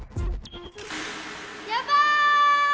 ・やばい！